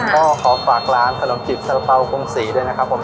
ก็ขอฝากร้านขนมจิบสาระเป๋ากรุงศรีด้วยนะครับผม